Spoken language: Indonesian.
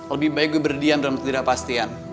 lebih baik gue berdiam dalam ketidakpastian